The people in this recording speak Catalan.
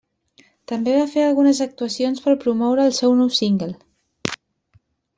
També va fer algunes actuacions per promoure el seu nou single.